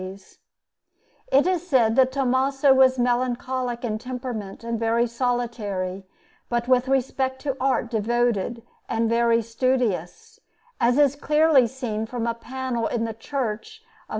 Panel_)] It is said that Tommaso was melancholic in temperament and very solitary, but with respect to art devoted and very studious, as it is clearly seen from a panel in the Church of S.